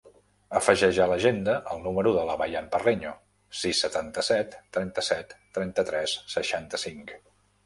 Afegeix a l'agenda el número de la Bayan Parreño: sis, setanta-set, trenta-set, trenta-tres, seixanta-cinc.